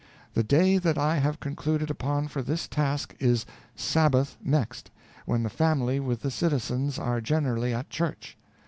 The day that I have concluded upon for this task is _sabbath _next, when the family with the citizens are generally at church.